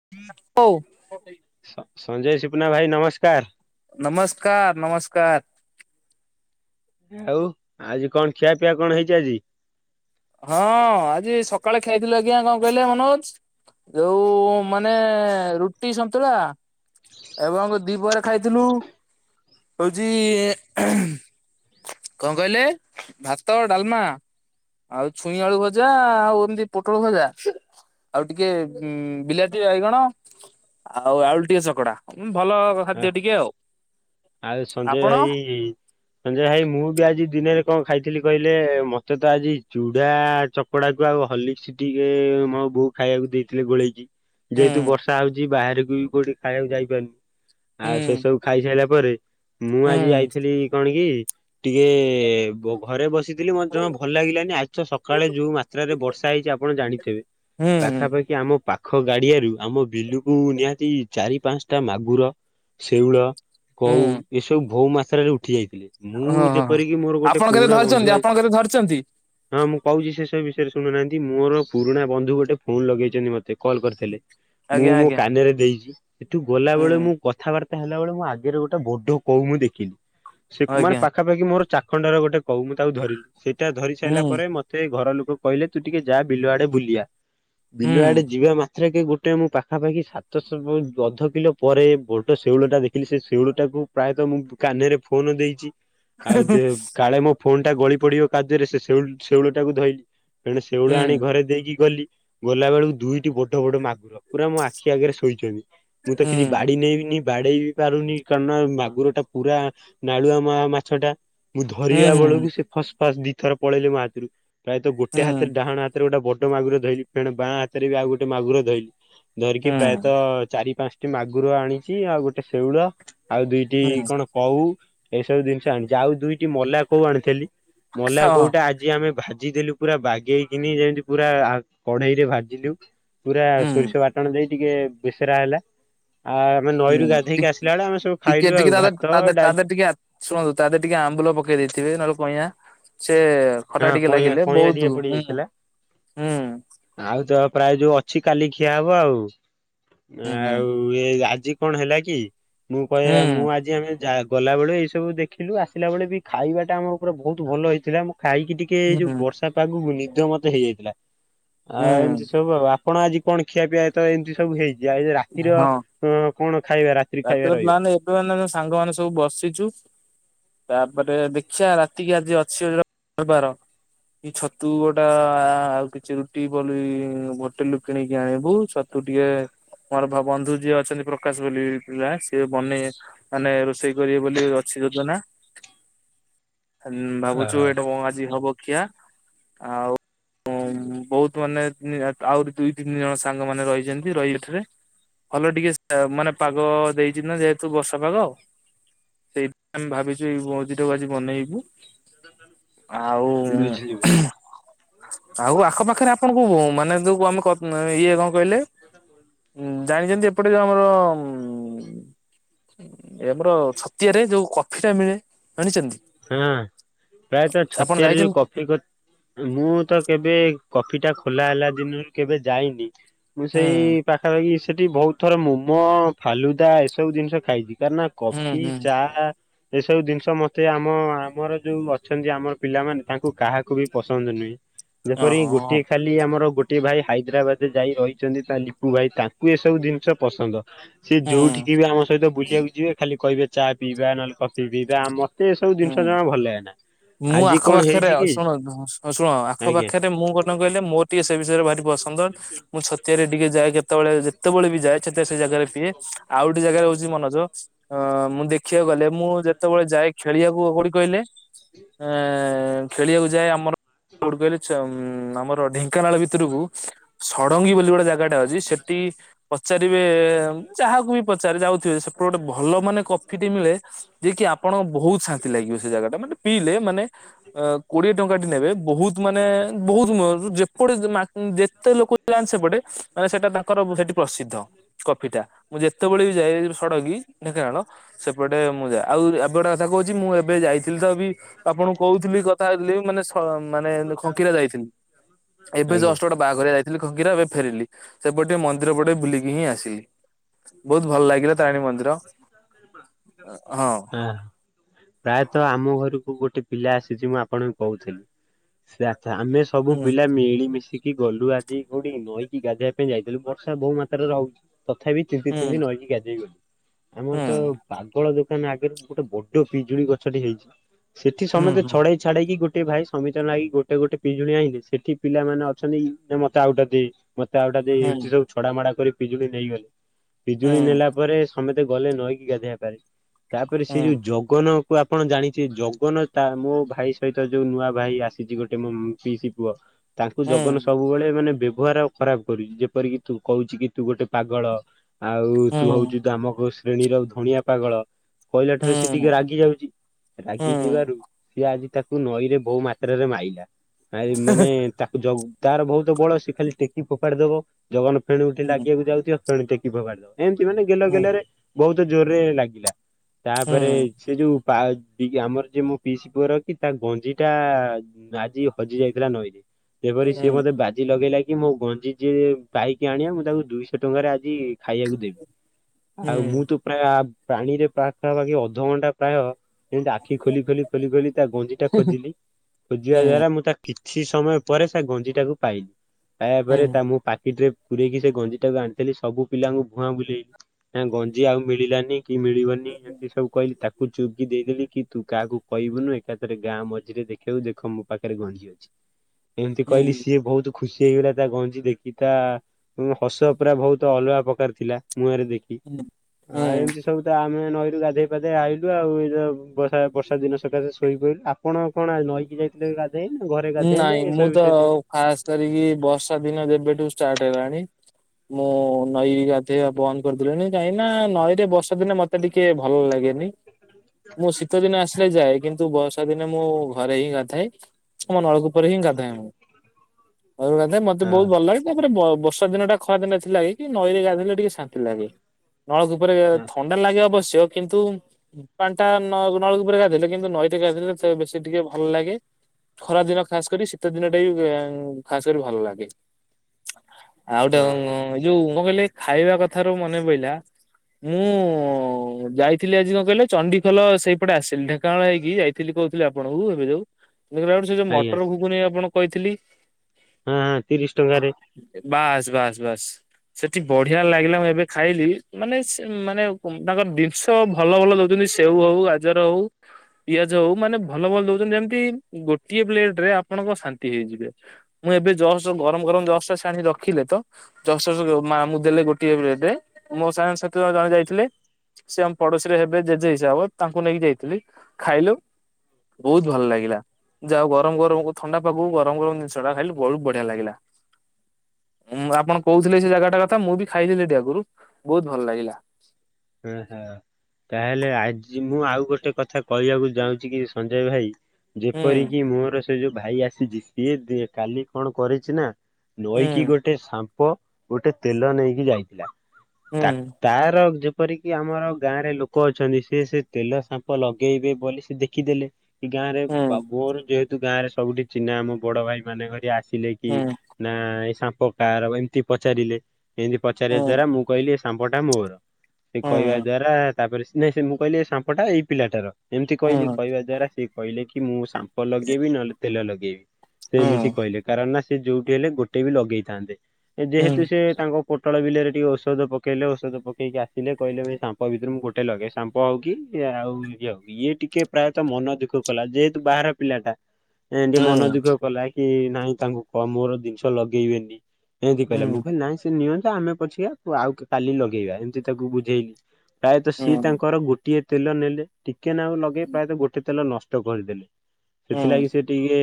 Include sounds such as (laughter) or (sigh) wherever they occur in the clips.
(unintelligible) ସଞ୍ଜୟ ସିପୁନା ଭାଇ ନମସ୍କାର ନମସ୍କାର ନମସ୍କାର। ଆଉ ଆଜି କଣ ଖିଆ ପିଆ କଣ ହେଇଚି ଆଜି? ହଁ ଆଜି ସକାଳେ ଖାଇଥିଲୁ ଆଜ୍ଞା କଣ କହିଲେ ମନୋଜ? ଯୋଉ ମାନେ ରୁଟି ସନ୍ତୁଳା ଏବଂ ଦିପହ ଖାଇଥିଲୁ ହଉଛି କଣ କହିଲେ ଭାତ, ଡାଲମା। ଆଉ ଛୁଇଁ ଆଳୁ ଭଜା ଆଉ ଏମିତି ପୋଟଳଭଜା। ଆଉ ଟିକେ ବିଲାତି, ବାଇଗଣ ଆଉ ଆଳୁ ଟିକେ ଚକଟା ଖାଦ୍ୟ ଟିକେ ଆଉ (unintelligible) ଆଉ ସଞ୍ଜୟ ଆପଣ ଭାଇ ସଞ୍ଜୟ ଭାଇ ମୁଁ ବି ଆଜି ଦିନରେ କଣ ଖାଇଥିଲି କହିଲେ ମତେ ତ ଆଜି ଚୁଡ଼ା ଚକଡାକୁ ଆଉ ହର୍ଲିକ୍ସ ଟିକେ ମୋ ବୋଉ ଖାଇବାକୁ ଦେଇଥିଲି ଗୋଳେଇକି ହୁଁ ଯେହେତୁ ବର୍ଷା ହଉଛି ବାହାରକୁ ବି କୋଉଠି ଖାଇବାକୁ ଯାଇପାରୁନି? ଆଉ ହୁଁ ସେ ସବୁ ଖାଇସାରିଲା ପରେ ମୁଁ ଆଜି ହୁଁ ଯାଇଥିଲି କଣ କି ଟିକେ ଘରେ ବସିଥିଲି ମତେ ଜମା ଭଲ ଲାଗିଲାନି ଆଜି ତ ସକାଳେ ଯୋଉ ମାତ୍ରାରେ ବର୍ଷା ହେଇଛି ଆପଣ ଜାଣିଥିବେ ହୁଁ ପାଖାପାଖି ଆମ ପାଖ ଗାଡିଆରୁ ଆମ ବିଲୁକୁ ନିହାତି ଚାରି ପାଞ୍ଚ ଟା ମାଗୁର, ଶେଉଳ ହୁଁ କୋଉ ଏସବୁ ବହୁ ମାତ୍ରାରେରେ ଉଠି ଯାଇଛି। ମୁଁ ହଁ ହଁ ଯେପରିକି ମୋର ଗୋଟେ ଆପଣ କେତେ ପୁରୁଣା ବନ୍ଧୁ ଧରିଛନ୍ତି ଆ ଆପଣ କେତେ ଧରିଛନ୍ତି ହଁ ମୁଁ କହୁଛି ସେସବୁ ବି ଶୁଣୁନାହାନ୍ତି ମୋର ପୁରୁଣା ବନ୍ଧୁ ଗୋଟେ ଫୋନ ଲଗେଇଚନ୍ତି ମୋତେ। କଲ କରିଥିଲେ ମୁଁ ଆଜ୍ଞା ମୋ ଆଜ୍ଞା କାନରେ ଦେଇଛି ସେଠୁ ଗଲାବେଳେ ହୁଁ ମୁଁ କଥାବାର୍ତ୍ତା ହେଲା ବେଳେ ମୁଁ ଆଗରେ ଗୋଟେ ବଡ କହୁ ମୁଁ ଦେଖିଲି ସେ ମାନେ ଆଜ୍ଞା ପାଖାପାଖି ମୋର ଚାଖଣ୍ଡ ର ଗୋଟେ କୋଉ ମୁଁ ତାକୁ ଧରିଲି ସେଇଟା ଧରି ହୁଁ ସାରିଲା ପରେ ମତେ ଘର ଲୋକ କହିଲେ ତୁ ଟିକେ ଯା ବିଲୁଆଡେ ବୁଲିବା ହୁଁ ବିଲୁଆଡେ ଯିବା ମା ସେଥିରେ କି ଗୋଟେ ମୁଁ ପାଖାପାଖି ସାତଶହ ଅଧ କିଲୋ ପରେ ବଡ ଶେଉଳଟା ଦେଖିଲି ସେ ଶେଉଳଟାକୁ ପ୍ରାୟତଃ ମୁଁ କାନରେ ଫୋନ ଦେଇଛି। ଆଉ କାଳେ ମୋ ଫୋନ୍ ଟା ଗଳି ପଡିବ କାଯ୍ୟରେ ସେ ସେଉ ସେେଉଳ ଟାକୁ ଧଇଲି। ତେଣୁ ସେଉଳ ହୁଁ ଆଣିକି ଘରେ ଦେଇକି ଗଲି। ଗଲା ବେଳକୁ ଦୁଇଟି ବଡ ବଡ ମାଘୁର ପୁରା ମୋ ଆଖି ଆଗରେ ଶୋଇଛନ୍ତି ମୁଁ ତ ହୁଁ କିଛି ବାଡ଼ି ନେଇବିନି ବାଡେଇ ବି ପାରୁନି କାରଣ ମାଘୁର ଟା ପୁରା ନାଳୁଆ ମାଛ ଟା। ମୁଁ ହୁଁ ଧରିବା ହୁଁ ହୁଁ ବେଳକୁ ସେ ଫଷ୍ଟ ଫାଷ୍ଟ ଦି ଥର ପଳେଇଲେ ମୋ ହାତରୁ ପ୍ରାୟତଃ ଗୋଟେ ହୁଁ ହାତରେ ଡାହାଣ ହାତରେ ଗୋଟେ ବ ଗୋଟ ମାଘୁର ଧୋଇଲିି ଫେଣ ବାଁ ହାତରେ ବି ଆଉ ଗୋଟେ ମାଗୁର ଧୋଇଲି ଧରିକି ପ୍ରାୟତଃ ହଁ ଚାରି ପାଞ୍ଚ ମାଘୁର ଆଣିଛି ଆଉ ଗୋଟେ ଶେଉଳ ଆଉ ଦିଇଟି କଣ କଉ ଏଇସବୁ ଜିନିଷ ଆଣିଛି ଆଉ ଦୁଇଟି ମଲା କୋଉ ଆଣିଥିଲି ମଲା କୋଉଟା ଆଜି ଆମେ ଭା ଭାଜି ଦେଲୁ ପୁରା ବାଗେଇକିନି ଯେମତି ପୁରା କଢେଇରେ ଭାଜିଲୁ। ପୁରା ହୁଁ ସୋରିଷ ବାଟଣ ଦେଇ ଟିକେ ବେସେରା ହେଲା। ଆ ଆମେ ନଈରୁ ହୁଁ ଗାଧେଇକି ଆସିଲା ବେଳେ ଆମେ ସବୁ ଖାଇଲୁ ଟିକେ ଆଉ ଟିକେ ଭାତ ତା ତା ଡାଲି ଦେ ଟିକେ ଶୁଣନ୍ତୁ ତା ଦେହ ଟିକେ ଆମ୍ବୁ ଲ ପକେଇ ଦେଇଥିବେ ନହେଲେ କିଆଁ। ହଁ କଇଁଆ କଇଁଆ ବହୁତ ଟିକେ ହୁଁ ପଡିଯାଇଥିଲା। ହୁଁ ଆଉ ତ ପ୍ରାୟ ଯୋଉ ଅଛି। କାଲି ଖିଆ ହବ ଆଉ ହୁଁ ହୁଁ ଆଉ ଏ ଆଜି କଣ ହେଲା କି ମୁଁ କହିବା ମୁଁ ଆଜି ଆମେ ଯା ଗଲାବେଳେ ଏଇସବୁ ଦେଖିଲୁ ଆସିଲା ବେଳେ ବି ଖାଇବାଟା ଆମର ପୁରା ବହୁତ ଭଲ ହେଇଥିଲା। ଖାଇକି ଟିକେ ଏଇ ଯୋଉ ହୁଁ ବର୍ଷା ପାଗକୁ ନିଦ ମତେ ହେଇଯାଇଥିଲା। ହୁଁ ଆଉ ଏମିତି ସବୁ ଆଉ କଣ ଆଜି କଣ ଖିଆ ପିଆଇ ତ ଏମତି ସବୁ ହେଇଛି। ଯାଇ ରାତିର ହଁ କଣ ଖାଇବା ରାତିି ଖାଇବା ରାତିର ରହିବ? ହ ପ୍ଲାନ ଏବେ ମାନେ ସାଙ୍ଗମାନେ ସବୁ ବସିଛୁ ତାପରେ ଦେଖିବା ରାତିକି ଆଜି ଅଛିବାର। ଏ ଛତୁ ଗୋଟା ଆଉ କିଛି ରୁଟି ବୋଲି ହୋଟେଲୁ କିଣିକି ଆଣିବୁ ଛତୁ। ଟିକେ ମୋର ବନ୍ଧୁ ଯିଏ ଅଛନ୍ତି ପ୍ରକାଶ ବୋଲି ପିଲା ସିଏ ବନେଇ ମାନେ ରୋଷେଇ କରିବେ ବୋଲି ସେ ଯୋଜନା। ଭାବୁଛୁ ଏଇଟା କ ଆଜି ହବ କିଆ ଆଉ ଓ ବହୁତ ମାନେ ଆହୁରି ଦୁଇ ତିନି ଜଣ ସାଙ୍ଗମାନୋନେ ରହିଛନ୍ତି ରହିଲେ। ରେ ଭଲ ଟିକେ ମାନେ ପାଗ ଦେଇଛି ନା ଯେହେତୁ ବର୍ଷା ପାଗ। ସେଇାଇ ଆମେ ଭାବିଛୁ ଏଇ ମଉଜିିଟାକୁ ଆଜି ବନେଇବୁ। ଆଉ ବୁଝିଲି ବୁଝିଲି ଆଉ ଆଖ ପାାଖରେ ଆପଣ କଣ ମାନେ ଯୋଉ ଆମେ ଇଏ କଣ କହିଲେ? ଉଁ ଜାଣିଛନ୍ତି ଏପଟେ ଯୋଉ ଆମର ଉଁ ଆମର ଛତିଆ ରେ ଯୋଉ କଫି ଟା ମିଳେ। ଜାଣିଛନ୍ତି? ହଁ ପ୍ରାୟତଃ ଆପଣ ଛତିଆରେ ଯୋଉ ଯାଇଛନ୍ତି କଫି ମୁଁ ତ କେବେ କଫି ଟା ଖୋଲା ହେଲା ଦିନରୁ କେବେ ଯାଇନି ମୁଁ ସେଇ ହୁଁ ପାଖାପାଖି ସେଠି ବହୁତ ଥର ମୋମୋ ଫାଲୁଦା ଏସବୁ ଜିନିଷ ଖାଇଛି। ନା ହୁଁ କଫି ହୁଁ ଚା ଏସବୁ ଜିନିଷ ମତେ ମତେ ଆମ ଆମର ଯଉ ଅଛନ୍ତି ଆମର ପିଲାମାନେ ତାଙ୍କୁ କାହାକୁ ବି ପସନ୍ଦ ନୁହେଁ। ଯେପରି ଓହୋ ଗୋଟଏ ଖାଲି ଆମର ଗୋଟ ଗୋଟିଏ ଭାଇ ହାଇଦ୍ରାବାଦରେ ଯାଇ ରହିଛନ୍ତି ତା ଲିପୁ ଭାଇ ତାଙ୍କୁ ଏସବୁ ଜିନିଷ ପସନ୍ଦ। ସିଏ ହୁଁ ଯୋଉଠିକି ବି ଆମ ସହିତ ବୁଲିବାକୁ ଯିବେ ଖାଲି କହିବେ ଚା ପିଇବା ନହେଲେ କଫି ପିଇବା ଆମ ସବୁ ଜିନିଷ ହୁଁ। ଜମା ଭଲ ଲାଗେନା। ମୁଁ ଆଜି ଆଖ କଣ ପାଖରେ ହେଇଛି କି ଶୁଣ ଶୁଣ ଆଖ ଆଜ୍ଞା। ପାଖରେ ମୁଁ କଣ କହିଲେ ମୋ ଟିକେ ସେ ବିଷୟରେ ଭାରି ପସନ୍ଦ ମୁଁ ଛତିଆରେ ଟିକେ ଯାଏ କେତେବେଳ ଯେ ଯେତେବେଳେ ବି ଯାଏ ସେତେଳେ ସେ ଜାଗାରେ ପିଏ ଆଉ ଗୋଟେ ଜାଗାରେ ହଉଛି ମନୋଜ। ହଁ ମୁଁ ଦେଖିବାକୁ ଗଲେ ମୁଁ ଯେତେବେଳେ ଯାଏ ଖେଳିବାକୁ କଉଠି କହିଲେ ଆ ଖେଳିବାକୁ ଯାଏ ଆମର କୋଉଠି କହିଲେ ଉଁ ଆମର ଢେଙ୍କାନାଳ ଭିତରକୁ ଷଡଙ୍ଗୀ ବୋଲି ଗୋଟେ ଜାଗା ଯଦି ସେଠି ପଚାରିବେ ଯାହାକୁ ବି ପଚାରି ଯାଉଥିବେ ସେ ଗୋଟେ ଭଲ ମାନେ କଫିଟି ମିଳେ ଯିଏ କି ଆପଣ ବହୁତ ଶାନ୍ତି ଲାଗିବ ସେ ଜାଗା ଟା ମାନେ ପିଇଲେ ମାନେ କୋଡିଏ ଟଙ୍କାଟି ନେବେ ବହୁତ ମାନେ ବହୁତ (unintelligible) ସେପଟେ ଯେତେ ଲୋକ ଯାଆନ୍ତି ସେପଟେ ମାନେ ସେଟା ତାଙ୍କର ସେଠି ପ୍ରସିଦ୍ଧ କଫିଟା। ମୁଁ ଯେତେବେଳେ ବି ଯାଏ ସୁଡ଼ଙ୍ଗୀ ଢେଙ୍କାନାଳ ସେପଟେ ମୁଁ ଯାଏ ଆଉ ଏବାଟେ ଜି ମୁଁ ଏବେ ଯାଇ ଥିଲତ ବି ଆପଣଙ୍କୁ କହୁଥିଲି କଥା ହେଉଥିଲି ମାନେ ମାନେ ଖଙ୍କିରା ଯାଇଥିଲି। ଏବେ ଆଜ୍ଞା ଜଷ୍ଟ୍ ଗୋଟେ ବାଘରିଆ ଯାଇଥିଲି ଖଙ୍କିରା ଏବେ ଫେରିଲି। ସେପଟେ ମନ୍ଦିର ପଟେ ବୁଲିକି ହିଁ ଆସିଲି ବହୁତ୍ ଭଲ ଲାଗିଲା ତାରିଣୀ ମନ୍ଦିର। ହଁ। ଆ ପ୍ରାୟତଃ ଆମ ଘରକୁ ଗୋଟେ ପିଲା ଆସିଛି ମୁଁ ଆପଣଙ୍କୁ କହୁଥିଲି ସେ ଆମେ ସବୁ ହୁଁ ପିଲା ମିଳିମିଶିକି ଗଲୁ ଆଜି କଉଠିକି? ନଈକି ଗାଧେଇବା ପାଇଁ ଯାଇଥିଲୁ ବର୍ଷା ବହୁ ମାତ୍ ରହୁ ତଥାପି ଦି ତିନି ହୁଁ ଦିନ ନଈକି ଗାଧେଇ ଗଲୁ। ଆମର ହୁଁ ତ ପାଗଳ ମାମ୍ ଆଗରେ ଗୋଟେ ବଡ ପିଜୁଳି ଗଛଟି ହେଇଛି। ସେଠି ସମେତେ ଛଡେଇ ଛାଡେଇକି ଗୋ ଏ ଭାଇ ସମିତନାଗି ଗୋଟେ ଗୋଟେ ପିଜୁଳି ଆଇଁଲି। ସେଠି ପିଲାମାନେ ଅଛନ୍ତି, ମତେ ଆଉଟେ ଦେ। ମତେ ଆଉଟା ଦେ ହୁଁ ଏମିତି ସବୁ ଛଡାମଡା କରି ପିଜୁଳି ନେଇଗଲେ। ହୁଁ ପିଜୁଳି ନେଲା ପରେ ସମେତେ ଗଲେ ନଈକି ଗାଧେଇବା ପାଇଁ। ତାପରେ ସେ ହୁଁ ଯୋଉ ଜଗନ ଆପଣ ଜାଣିଥିବେ, ଜଗନ ତା ମୋ ଭାଇ ସହିତ ଯୋଉ ନୂଆ ଭାଇ ଆସିଛି, ଗୋଟେ ମୋ ପିଇସି ପୁଅ ତାଙ୍କୁ ଜଗନ ସବୁବେଳେ ମାନେ ବ୍ୟବହାର ଖରାପ କରୁଛି। ଯେପରିକି ତୁ କହୁଛି କି ତୁ ଗୋଟେ ପାଗଳ। ଆଉ ହୁଁ ତୁ ହୁଁ ହଉଛୁୁ ଦାମକ ଶ୍ରେଣୀର ଧଣିଆ ପାଗଳ। କହିଲା ଠାରୁ ସେ ହୁଁ ଟିକେ ରାଗି ଯାଉଛି। ହୁଁ ରାଗି ଯିବାରୁ ସିଏ ଆଜି ତାକୁ ନଈରେ ବହୁ ମାତ୍ରାରେ ମାଇଲା। ଆ ମାନେ ତାକୁ ଯୋଉ ତାର ଭଉତ ବଳ ସେ ଖାଲି ଟେକି ଫୋପାଡି ଦବ। ଜଗନ ଫେଣୁ ଉଠି ଲାଗିବାକୁ ଯାଉଥିବ ଫେଣୁ ଟେକି ଫୋପାଡି ଦବ। ଏମତି ମାନେ ଗେଲ ହୁଁ ହୁଁ ଗେଲ ରେ ବହୁତ ଜୋରରେ ଲାଗିଲା। ତାପରେ ସେ ଯୋଉ ପାଏଲ ପିଇକି ଆମର ଯେ ମୋ ପିଇସି ପୁଅର କି, ତା ଗଞ୍ଜି ଟା ଆଜି ହଜି ଯାଇଥିଲା ନଈରେ। ଯେପରି ହୁଁ ହୁଁ ହୁଁ ହୁଁ ହୁଁ ହୁଁ ସିଏ ମତେ ବାଜି ଲଗେଇଲା କି, ମୋ ଗଞ୍ଜି ଯିଏ ପାଇକି ଆଣିବ ମୁଁ ତାକୁ ଦୁଇଶହ ଟଙ୍କାରେ ଆଜି ଖାଇବାକୁ ଦେବି। ଆଉ ମୁଁ ତୋ ପ୍ରାୟ ପାଣିରେ ପାଖା ପାଖି ଅଧଘଣ୍ଟା ପ୍ରାୟ ଯେମିତି ଆଖି ଖୋଲି ଖୋଲି ଖୋଲି ଖୋଲି ତା ଗଞ୍ଜି ଟା ଖୋଜିଲି। ଖୋଜିବା ଦ୍ଵାରା ମୁଁ ତା କିଛି ସମୟ ପରେ ସେ ଗଞ୍ଜି ଟାକୁ ପାଇଲି। ପାଇବା ପରେ ତା ମୁଁ ପାକିଟ୍ରେ ପୁରେଇକି ସେ ଗଞ୍ଜି ଆଣିଥିଲି ସବୁ ପିଲାଙ୍କୁ ଭୁଆଁ ବୁଲେଇଲି ନା ଗଞ୍ଜି ଆଉ ମିଳିଲାନି କି ମିଳିବନି ଏମିତି ସବୁ କହିଲି ତା ମୁଁ ଚୁପ୍ କି ଦେଇଦେଲି। କି ତୁ କାହାକୁ କହିବୁନୁ, ଏକାଥରେ ଗାଁ ମଝିରେ ଦେଖେଇବୁ ଦେଖ ମୋ ପାଖରେ ଗଞ୍ଜି ଅଛି। ଏମିତି କହିଲି ହୁଁ ସିଏ ଭଉତୁ ଖୁସି ହେଇଗଲା ତା ଗଞ୍ଜି ଦେଖି, ତା ହସ ପୁରା ଭଉତ ଅଲଗା ପ୍ରକାର ଥିଲା ମୁହଁରେ ଦେଖି। ହୁଁ ଆ ହୁଁ ଏମତି ସବୁ ତ ଆମେ ନଈ ଗାଧେଇ ପାଧେଇ ଆଇଲୁ ଆଉ ଏଇ ଯୋଉ ବର୍ଷା ବର୍ଷା ଦିନ ସକାଶେ ଶୋଇ ପଇଲୁ। ଆପଣ କଣ ନଈକି ଯାଇଥିଲେ ଗାଧେଈ? ନାଇଁ ମୁଁ ତ ଖାସ କରିକି ବର୍ଷା ଦିନ ଯେବେଠୁ ଷ୍ଟାର୍ଟ ହେଲାଣି। (inaudible) ମୁଁ ନଈ ଗାଧେଇବା ବନ୍ଦ୍ କରିଦେଲିଣିି। କାହିଁ ନା ନଈ ରେ ବର୍ଷାଦିନେ ମତେ ଟିକେ ଭଲ ଲାଗେନି। ମୁଁ ଶୀତ ଦିନେ ଆସିଲେ ଯାଏ। କିନ୍ତୁ ବର୍ଷା ଦିନେ ମୁଁ ଘରେ ହିଁ ଗାଧାଏ। ଆମ ନଳକୂପରେ ହିଁ ଗାଧାଏ। ମୁଁ ଘରେ ଗାଧାଏ। ମତେ ହଁ ବହୁତ୍ ଭଲ ଲାଗେ ତାପରେ ବର୍ଷା ଦିନ ଟା ଖରାଦିନ ଥିଲା କି ନଈରେ ଗାଧେଇଲେ ଥିଲେ ଟିକେ ଶାନ୍ତି ଲାଗେ। ନଳକୂ କୁପରେ ଥଣ୍ଡା ଲାଗେ ଅବଶ୍ୟ ଦେହ କିନ୍ତୁ ପାଣିଟା ନ-ନଳକୂପରେ ଗାଧଥିଲେ କିନ୍ତୁ ନଈରେ ଗାଧୋଇଲେ ବେଶୀ ଟିକେ ଭଲ ଲାଗେ। ଖରା ଦିନ ଖାସ କରି, ଶୀତ ଦିନ ଟା ବି ଖାସ କରି ଭଲ ଲାଗେ। ଆଉ ଗୋଟେ ହଁ ଉଁ, ହଁ ଯୋଉ ମୁଁ କହିଲି ଖାଇବା କଥାରୁ ମନେ ପାଇଲା। ମୁଁ ଯାଇଥିଲି ଆଜି କଣ କହିଲେ ଚଣ୍ଡିଖଲ ସେଇପଟେ ଆସିଲି। ଢେଙ୍କାଳ ହେଇକି ଯାଇଥିଲି। କହୁଥିଲ ଆପଣଙ୍କୁ ଏବେ ଯୋଉ। ଦେଖିଲାବେଳକୁ ସେ ଯୋଉ ଆଜ୍ଞା ମଟର ଘୁଗୁନି ଆପଣଙ୍କୁ କହିଥିଲି। ହଁ ତିରିଶ ଟଙ୍କାରେ। ବାସ୍, ବାସ୍, ବାସ୍। ସେଠି ବଢିଆ ଲାଗିଲା ମୁଁ ଏବେ ଖାଇଲି। ମାନେ ମାନେ। ତାଙ୍କର ଜିନିଷ ଭଲ ଭଲ ଦଉଛନ୍ତି। ସେଉ ହଉ, ଗାଜର ହଉ, ପିଆଜ ହଉ, ମାନେ ଭଲ ଭଲ ଦଉଛନ୍ତି ଯେମିତି ଗୋଟିଏ ପ୍ଲେଟ ରେ ଆପଣଙ୍କ ଶାନ୍ତି ହେଇଯିବେ। ମୁଁ ଏବେ ଜରା ଗରମ ଗରମ ଜସ ଟା ଛାଣି ରଖିଲେ। ତ ଦଶ ଚକ, ମାମୁଁ ଦେଲେ ଗୋଟିଏ ପ୍ଲେଟ୍ ରେ, ମୋ ସାଙ୍ଗ ସହିତ ଜଣେ ଯାଇଥିଲେ। ସେ ଆମ ପଡୋଶୀରେ ହେବେ ଜେଜେ ହିସାବ ତାଙ୍କୁ ନେଇକି ଯାଇଥିଲି ଖାଇଲୁ। ବହୁତ ଭଲ ଲାଗିଲା। ଯାଉ ଗରମ ଗରମ କୁ ଥଣ୍ଡା ପାଗକୁ, ଗରମ ଗରମ ଜିନିଷଟା ଖାଇଲି ବହୁତ ବଢିଆ ଲାଗିଲା। ହୁଁ ଆପଣ କହୁଥିଲେ ସେ ଜାଗା ଟା କଥା ମୁଁ ବି ଖାଇଲି ସେଠି ଆଗରୁ ବହୁତ ଭଲ ଲାଗିଲା। ହୁଁ ହୁଁ। ତାହେଲେ ଆଜି ମୁଁ ଆଉ ଗୋଟେ କଥା କହିବାକୁ ଯାଉଛି କି ସଞ୍ଜୟ ଭାଇ। ହୁଁ ଯେପରିକି ମୋର ସେ ଯୋଉ ଭାଇ ଆସିଛି ସିଏ ଦି କାଲି କଣ କରିଛି ନା। ହୁଁ ନଈକି ଗୋଟେ ସାମ୍ପ ଗୋଟେ ତେଲ ନେଇକି ଯାଇଥିଲା। ତା ତାର ଯୋଉ ଯେପରିକି ଆମର ଗାଁରେ ଲୋକ ଅଛନ୍ତି ସେ ସେ ତେଲ ସାମ୍ପ ଲଗେଇବେ ବୋଲି ସେ ଦେଖିଦେଲେ। ଗାଁରେ ହୁଁ ବା ମୋର ଯେହେତୁ ଗାଁରେ ସବୁଠି ଚିହ୍ନା ଆମ ବଡ ଭାଇ ମାନେ କରି ଆସି ଥିଲେ କି ହୁଁ ନା ଏ ସାମ୍ପ କାହାର ଏମିତି ପଚାରିଲେ ଏମିତି ପଚାରିବା ହୁଁ ଦ୍ଵାରା ମୁଁ କହିଲି ସାମ୍ପଟା ମୋର ସେ ହୁଁ କହିବା ଦ୍ଵାରା ତାପରେ ନାଇଁ ସେ ମୁଁ କହିଲି ସାମ୍ପଟା ଏଇ ପିଲାଟାର ଏମିତି କହିଲି ହୁଁ କହିବା ଦ୍ଵାରା ସିଏ କହିଲେ କି ମୁଁ ସାମ୍ପ ଲଗେଇବି ନହଲେ ତେଲ ଲଗେଇବି। ସେ ହୁଁ ଏମିତି କହିଲେ କାରଣ ନା ସେ ଯୋଉଠି ହେଲେ ଗୋଟେ ବି ଲଗେଇଥାନ୍ତେ ହୁଁ ଯେହେତୁ ସେ ତାଙ୍କ କୋ କୋଟଳ ବିଲରେ ଟିକେ ଔଷଧ ପକେଇଲେ ଔଷଧ ପକି ଆସ ଥିଲେ କହିଲେ ଭାଇ ସାମ୍ପ ଭିତରୁ ମୁଁ ଗୋଟେ ଲଗେ ସାମ୍ପ ହଉ କି ଆଉ ଇଏ ହଉ ଇଏ ଟିକେ ପ୍ରାୟତଃ ମନ ଦୁଃଖ ଦୁଃଖ କଲା ଯେହେତୁ ବାହାର ପିଲାଟା। ଏ ଟେ ହୁଁ ମନ ଦୁଃଖ କଲା କି ନାଇଁ ତାଙ୍କୁ କହ ମୋର ଜିନିଷ ଲଗେଇବେନି। ଏମିତି କହିଲା ମୁଁ ହୁଁ କହିଲି ନାଇଁ ସେ ନିଅନ୍ତୁ ଆମେ ପଛିକା ଆଉ କାଲି ଲଗେଇବା ଏମିତି ତାକୁ ବୁଝେଇଲି। ପ୍ରାୟତଃ ହୁଁ ସିଏ ହୁଁ ତାଙ୍କର ଗୋଟିଏ ତେଲ ନେଲେ ଟିକେ ନାକୁ ଲଗେଇ ପ୍ରାୟତଃ ଗୋଟଏ ତେଲ ନଷ୍ଟ କରିଦେଲେ। ସେଥିଲାଗି ହୁଁ ସେ ଟିକିଏ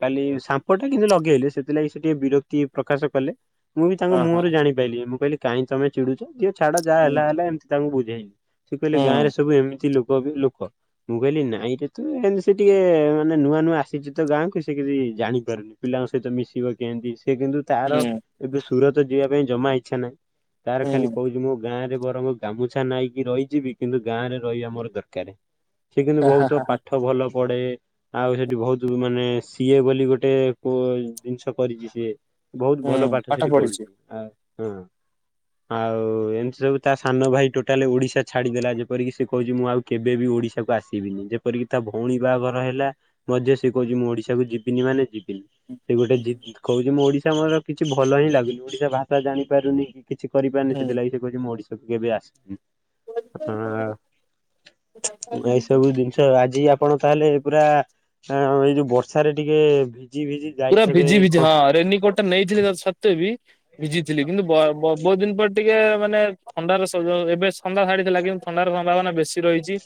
କାଲି ସାମ୍ପ ଟା କିନ୍ତୁ ଲଗେଇଲେ ସେଥିଲାଗି ସେ ଟିକେ ବିରକ୍ତି ପ୍ରକାଶ କଲେ। ମୁଁ ବି ତାଙ୍କ ହଁ ହଁ ମୁହଁରୁ ଜାଣି ପାଇଲିି ମୁଁ କହିଁଲି କାଇଁ ତମ ଚିଡୁଛ ଦିଅ ଛାଡ ଯାହା ହୁଁ ହେଲା ଏମିତି ତାଙ୍କୁ ବୁଝେଇଲି। ସେ କହିଲେ ଗାଁରେ ହୁଁ ସବୁ ଏମିତି ଲୋକ (unintelligible) ଲୋକ ମୁଁ କହିଲି ନାଇରେ ତୁ ଏମିତି ତୁ ସେ ଟିକେ ମାନେ ନୂଆ ନୂଆ ଆସିଛି ତ ଗାଁକୁ ସେ କି ସେ ଜାଣିପାରୁନି ପିଲାଙ୍କ ସହିତ ମିଶିବ କେମତି? ସେ କିନ୍ତୁ ତାର ହୁଁ ଏବେ ସୁରତ ଯିବା ପାଇଁ ଜମା ଇଚ୍ଛା ନାହିଁ ତାର ହୁଁ ଖାଲି କହୁଛି ମୁଁ ଗାଁ ରେ ବରଂ ଗାମୁଛା ନାଇକି ରହିଯିବି କିନ୍ତୁ ଗାଁ ରେ ରହିବା ମୋର ଦରକାରେ। ସେ କିନ୍ତୁ ହା ହା ବହୁତ ହା ପାଠ ଭଲ ପଡେ ଆଉ ସେଠି ବହୁତ ମାନେ ସି ଏ ବୋଲି ଗୋଟେ କୋ ଜିନିଷ କରିଛି ସିଏ। ବହୁତ ହୁଁ ଭଲ ପାଠ ସେଠି ପଢିଛି ପଢୁଛି ଆ ହ ଆଉ ଏମିତି ସବ୍ ଯୋଉ ତା ସାନ ଭାଇ ଟୋଟାଲି ଓଡ଼ିଶା ଛାଡ଼ିଦେଲା ଯେପରିକି ସେ କହୁଛି ମୁଁ ଆଉ କେବେ ବି ଓଶାକୁ ଆସିବିନି ଯେପରି ତା ଭଉଣୀ ବାହାଘର ହେଲା ମ ସିଏ କହୁଛି ମୁଁ ଓଡିଶାକୁ ଯିବିନି ମାନେ ଯିବି ଚି ସେ ଗୋଟେ ଜି କହୁଛି ମୁଁ ଓଡିଶା ମୋର କିଛି ଭଲ ହିଁ ଲାଗୁନି ଓଡିଶା ଭାଷାଣିପାରୁନି କି କିଛି କରିପାରୁନି ହୁଁ। ସେଥିଲାଗି ସେ କହୁଛି ମୁଁ ଓଡିଶାକୁ କେବେ ଆସିବିନି। ହଁ ଏସବୁ ଜିନିଷ ଆଜି ଆ ଆପଣ ତାହେଲେ ପୁରା ଆ ଏଇ ଯୋଉ ବର୍ଷାରେ ଟିକେ ଭିଜି ପୁରା ଯାଇଥିବେ ଭିଜି ଭିଜି କ ହଁ ରେନିକୋଟ ଟା ନେଇଥିଲେ ସତ୍ତ୍ୱେ ବି ଭିଜିଥିଲି କିନ୍ତୁ ବ ବ ବହୁତ ଦିନ ପରେ ଟିକେ ମାନେ ଥଣ୍ଡାର ସଜ ଏବେ ଥଣ୍ଡା ଛାଡ଼ିଥିଲା କିନ୍ତୁ ଥଣ୍ଡାର ସମ୍ଭାବନା ବେଶୀ ରହିଛି।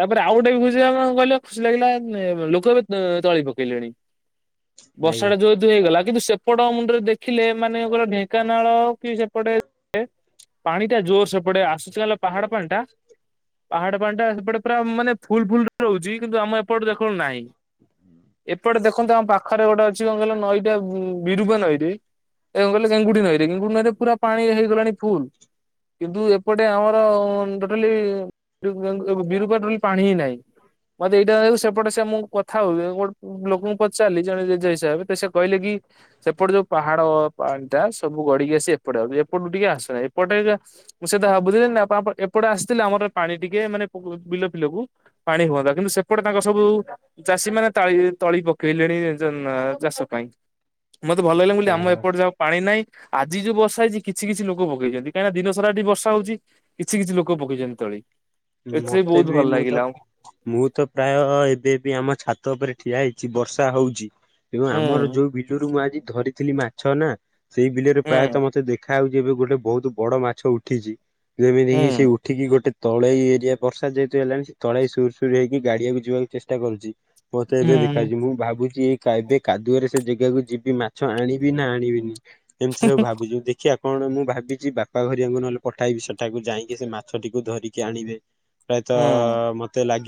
ତାପରେ ଆଉ ଗୋଟେ ବି ଖୁସି ଆମ କଣ ଖୁସି ଲାଗିଲା ଉ ମ ଲୋକ ବି ତଳି ପକେଇଲେଣି। ବର୍ଷା ଆଜ୍ଞା। ଟା ଯୋଉ ଯୋଉ ହେଇଗଲା କିନ୍ତୁ ସେପଟ ମୁଣ୍ଡରେ ଦେଖିଲେ ମାନେ ଗୋଟେ ଢେଙ୍କାନାଳ କି ସେ ସେପଟେ ଏ ପାଣି ଟା ଜୋରସେ ପଡ଼େ (unintelligible) ପାହାଡ଼ ପାଣି ଟା ପାହାଡ଼ ପାଣି ଟା ସେପଟେ ପୁରା ମାନେ ଫୁଲ ଫୁଲ ରହୁଛି କିନ୍ତୁ ଆମେ ଏପଟୁ ଦେଖନ୍ତୁ ନାହିଁ। ଏପଟେ ଦେଖନ୍ତୁ ଆମ ପାଖରେ ଗୋଟେ ଅଛି କଣ କହିଲ ନଈଟେ ଉ ବିରୁବା ନଈଟେ। ଏ କ କହିଲେ ଗେଙ୍ଗୁଡି ନଈରେ ଗେଙ୍ଗୁଡି ନଈରେ ପୁରା ପାଣି ହେଇଗଲାଣି ଫୁଲ। କିନ୍ତୁ ଏପଟେ ଆମର ଅ ଟୋଟାଲି (unintelligible) ବିରୂପା ନଇ ପାଣି ହିଁ ନାହିଁ। ମତେ ଏଇଟା ଯୁ ସେପଟେ ମୁଁ କଥା ହଉ ଗୋଟେ ଲୋକଙ୍କୁ ପଚାରିଲି ଜଣେ ଜେଜେ ହିସାବରେ ତ ସେ କହିଲେ କି ସେପଟେ ଯୋଉ ପାହାଡ଼ ପାଣି ଟା ସବୁ ଗଡ଼ିକି ଆସି ଏପଟେ ଆ ଏପଟୁ ଟିକେ ଆସେ ଏପଟ ଟ ମୁଁ ସେଟା ଭାବୁଥିଲି ଏପଟେ ଆସିିଥିଲେ ଆମର ପାଣି ଟିକେ ମାନେ ବିଲ ଫିଲକୁ ପାଣି ହୁଅନ୍ତା କିନ୍ତୁ ସେପଟେ ତାଙ୍କ ସବୁ ଚାଷୀ ମାନେ ତାଳି ତଳି ପକେଇଲେଣି। ଦେନ୍ ଚାଷ ପାଇଁ ମତେ ଭଲ ଲାଗିଲା ବୋଲି ଆମ ଏପଟେ ଯା ପାଣି ନାହିଁ। ଆଜି ଯୋଉ ବର୍ଷା ହେଇଛି କିଛି କିଛି ଲୋକ ପକେଇଛନ୍ତି କାହିଁକି ନା ଦିନ ସାରା ଏଠି ବର୍ଷା ହଉଛି କିଛି ଲୋକ ପକେଇଛନ୍ତି ତଳି। ଏଥିରେ ମତେ ବହୁତ ବି ଭଲ ମୁଁ ତ ଲାଗିଲା ମୁଁ ତ ପ୍ରାୟ ଏବେ ବି ଆମ ଛା ଛାତ ଉପରେ ଠିଆ ହେଇଛି ବର୍ଷା ହଉଛି ଏବଂ ଆମର ହୁଁ ଯୋଉ ବିଜୁରୁ ମାରି ଧରିଥିଲି ମାଛ ନା ସେଇ ବିଲରେ ହୁଁ। ପ୍ରାୟତଃ ମତେ ଦେଖ ଦେଖା ହଉଛି ଏବେ ଗୋଟେ ବହୁତ ବଡ ମାଛ ଉଠିଛି ଯେମିତି କିି ସେ ହୁଁ ଉଠିକି ଗୋଟେ ତଳେଇ ଏରିଆ ବର୍ଷା ଯେହେତୁ ହେଲାଣି ତଳେଇ ସୁରୁ ସୁୁର ହେଇକି ଗାଡ଼ିଆକୁ ଯିବାକୁ ଚେଷ୍ଟା କରୁଛି। ମତେ ଏବେ ହୁଁ ଦେଖାଛି ମୁଁ ଭାବୁଛି ଏ କା ଏବେ କାଦୁଅରେ ସେ ଜେଗାକୁ ଯିବି ମାଛ ଆଣିବି ନା ଆଣିବିନି। ଏମିତି ସବୁ ଭାବୁଛିି ମୁ ଦେଖିଆ। କଣ ମୁଁ ଭାବିଛି ବାପା ଘରିଆଙ୍କୁ ନହେଲେ ପଠାଇବି ସେଠାକୁ ଯାଇକି ସେ ମାଛ ଟିକୁ ଧରିକି କି ଆଣିବେ ହୁଁ। ପ୍ରାୟତଃ-ଅ-ଅ ମତେ ଲାଗି